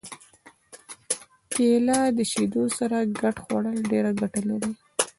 کېله د شیدو سره ګډه خوړل ډېره ګټه لري.